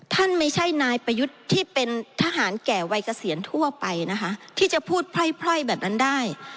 ท่านไม่ใช่นายประยุทธ์ที่เป็นทหารแก่วัยเกษียณทั่วไปนะคะที่จะพูดไพร่แบบนั้นได้